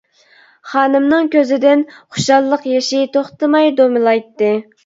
خانىمنىڭ كۆزىدىن خۇشاللىق يېشى توختىماي دومىلايتتى.